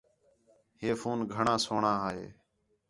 ہے فون گھݨاں سوہݨاں ہے